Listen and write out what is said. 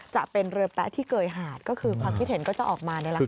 จะเป็นเรือแป๊ะที่เกยหาดก็คือความคิดเห็นก็จะออกมานี่แหละค่ะ